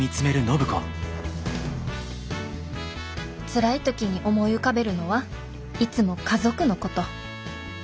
つらい時に思い浮かべるのはいつも家族のこと。